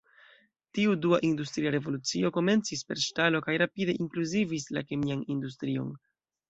Tiu "dua" industria revolucio komencis per ŝtalo kaj rapide inkluzivis la kemian industrion.